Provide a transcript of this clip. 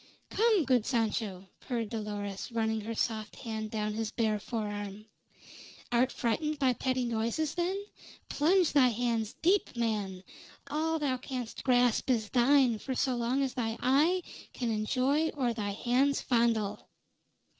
"Come, good Sancho," purred Dolores, running her soft hand down his bare forearm. "Art frightened by petty noises, then? Plunge thy hands deep, man! All thou canst grasp is thine for so long as thy eye can enjoy or thy hands fondle."